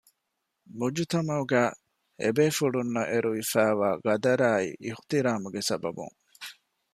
މުޖުތަމަޢުގައި އެ ބޭފުޅުންނަށް އެރުވިފައިވާ ޤަދަރާއި އިޙުތިރާމުގެ ސަބަބުން